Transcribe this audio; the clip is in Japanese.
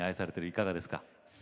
いかがですか？